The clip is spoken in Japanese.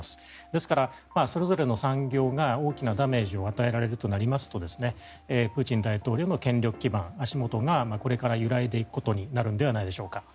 ですから、それぞれの産業が大きなダメージを与えられるとなりますとプーチン大統領の権力基盤足元がこれから揺らいでいくことになるのではないでしょうか。